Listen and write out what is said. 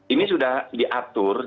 ini sudah diatur